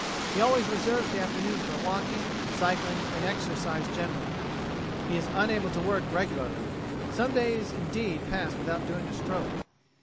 He always reserves the afternoon for walking, cycling, and exercise generally. He is unable to work regularly; some days indeed pass without doing a stroke.